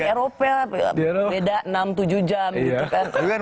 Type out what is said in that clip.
eropa beda enam tujuh jam gitu kan